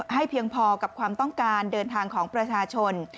เพียงพอกับความต้องการเดินทางของประชาชน